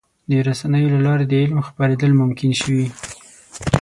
د رسنیو له لارې د علم خپرېدل ممکن شوي.